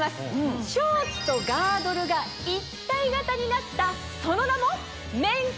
ショーツとガードルが一体型になったその名も。